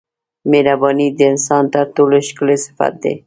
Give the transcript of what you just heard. مهرباني د انسان تر ټولو ښکلی صفت دی.